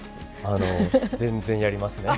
あの全然やりますね。